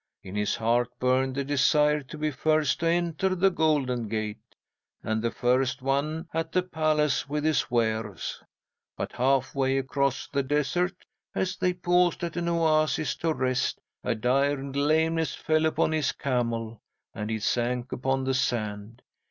In his heart burned the desire to be first to enter the Golden Gate, and the first one at the palace with his wares. But, half way across the desert, as they paused at an oasis to rest, a dire lameness fell upon his camel, and it sank upon the sand.